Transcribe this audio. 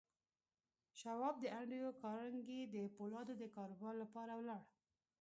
شواب د انډریو کارنګي د پولادو د کاروبار لپاره ولاړ